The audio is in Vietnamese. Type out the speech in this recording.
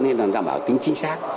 nên là đảm bảo tính chính xác